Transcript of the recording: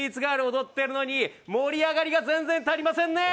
踊ってるのに盛り上がりが全然足りないですね。